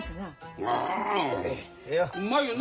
うまいよな？